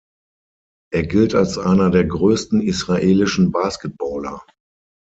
Er gilt als einer der größten israelischen Basketballer.